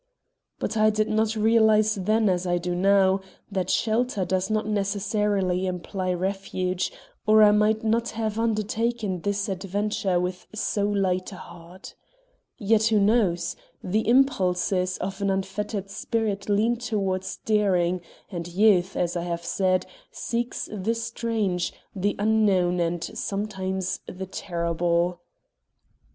But I did not realize then, as I do now, that shelter does not necessarily imply refuge, or I might not have undertaken this adventure with so light a heart. Yet, who knows? The impulses of an unfettered spirit lean toward daring, and youth, as I have said, seeks the strange, the unknown and, sometimes, the terrible.